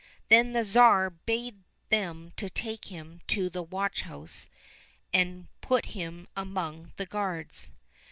Then the Tsar bade them take him to the watch house and put him among the guards.